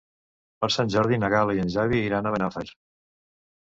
Per Sant Jordi na Gal·la i en Xavi iran a Benafer.